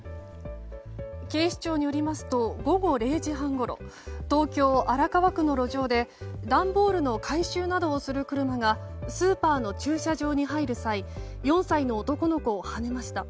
警視庁によりますと午後０時半ごろ東京・荒川区の路上で段ボールの回収などをする車がスーパーの駐車場に入る際４歳の男の子をはねました。